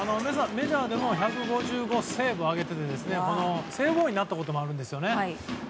メジャーで１５５セーブを挙げていてセーブ王になったこともあるんですよね。